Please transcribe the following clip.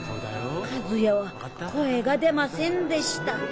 和也は声が出ませんでした。